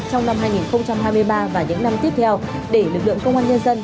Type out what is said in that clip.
trong năm hai nghìn hai mươi ba và những năm tiếp theo để lực lượng công an nhân dân